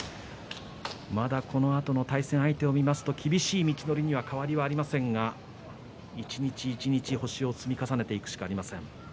まだこのあとの対戦相手を見ますと厳しい道のりには変わりありませんが一日一日、星を積み重ねていくしかありません。